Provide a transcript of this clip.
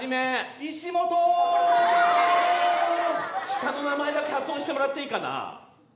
下の名前だけ発音してもらっていいかな？